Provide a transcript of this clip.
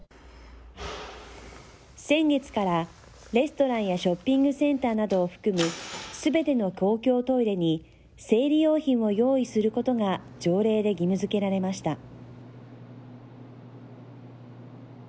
先月からレストランやショッピングセンターなどを含む、すべての公共トイレに生理用品を用意することが条例で義務づけられました。